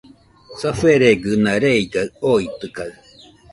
Saferegɨna reigaɨ oitɨkaɨ